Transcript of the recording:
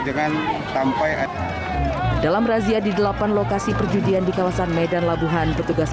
dengan sampai ada dalam razia di delapan lokasi perjudian di kawasan medan labuhan petugas